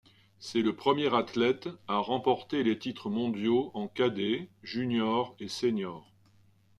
C'est le premier athlète à remporter les titres mondiaux en cadet, junior et senior.